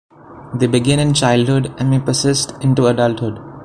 They begin in childhood and may persist into adulthood.